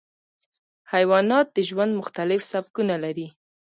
حیوانات د ژوند مختلف سبکونه لري.